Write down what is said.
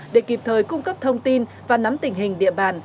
để kịp thời cung cấp thông tin và nắm tình hình địa bàn